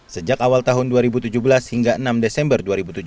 sejak awal tahun dua ribu tujuh belas hingga enam desember dua ribu tujuh belas